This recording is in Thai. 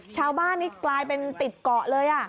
ชาวบ้านนี่กลายเป็นติดเกาะเลย